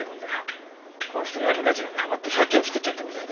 この人闇カジノにハマって借金つくっちゃったみたいでさ。